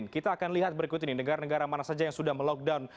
kita akan lihat berikut ini negara negara mana saja yang sudah melockdown